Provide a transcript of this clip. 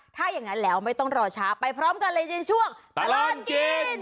ถ้าอย่างนั้นแล้วไม่ต้องรอช้าไปพร้อมกันเลยในช่วงตลอดกิน